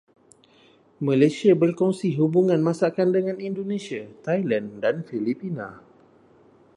Malaysia berkongsi hubungan masakan dengan Indonesia, Thailand dan Filipina.